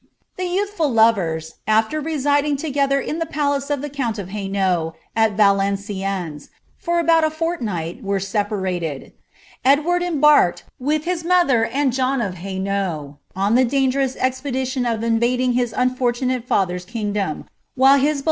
The ynuihftd lovers, after residing together in the palace of the count of HainaulL, at Valenciennei, for about a fortnight, were separated. Ed nunl embarked, with his mother and John of llainault, on the dangerous upedition of invading his unfortunate father's kingdom, while his h«^«A 15 • f^\.